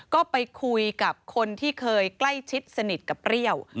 ก็ไปคุยกับคนที่เคยใกล้ชิดสนิทกับเปรี้ยว